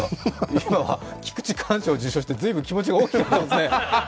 菊池寛賞を受賞して随分気持ちが大きくなっていますね。